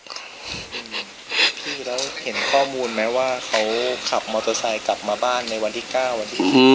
พี่แล้วเห็นข้อมูลไหมว่าเขาขับมอเตอร์ไซค์กลับมาบ้านในวันที่๙วันที่๒